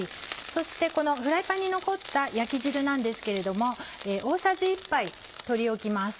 そしてこのフライパンに残った焼き汁なんですけれども大さじ１杯取り置きます。